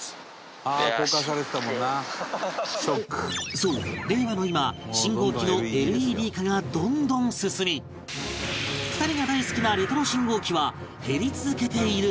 そう令和の今信号機の ＬＥＤ 化がどんどん進み２人が大好きなレトロ信号機は減り続けているという